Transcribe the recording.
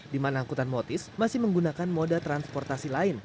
di mana angkutan motis masih menggunakan moda transportasi lain